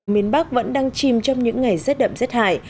miền bắc vẫn đang chìm trong những ngày rét đậm rét hại